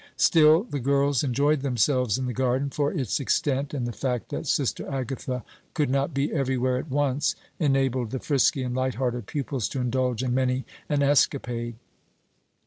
Still, the girls enjoyed themselves in the garden, for its extent and the fact that Sister Agatha could not be everywhere at once enabled the frisky and light hearted pupils to indulge in many an escapade.